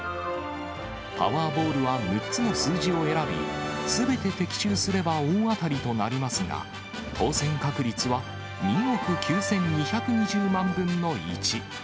パワーボールは６つの数字を選び、すべて的中すれば大当たりとなりますが、当せん確率は２億９２２０万分の１。